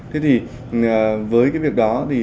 thế thì với cái việc đó